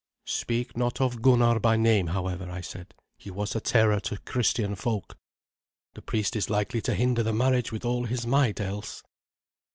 "Speak not of Gunnar by name, however," I said; "he was a terror to Christian folk. The priest is likely to hinder the marriage with all his might else."